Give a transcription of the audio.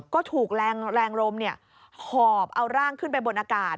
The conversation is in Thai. ก็ถูกแรงลมหอบเอาร่างขึ้นไปบนอากาศ